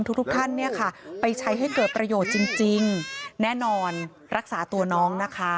ทุกท่านเนี่ยค่ะไปใช้ให้เกิดประโยชน์จริงแน่นอนรักษาตัวน้องนะคะ